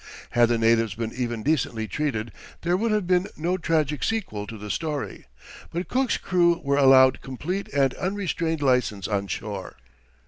Had the natives been even decently treated, there would have been no tragic sequel to the story, but Cook's crew were allowed complete and unrestrained license on shore.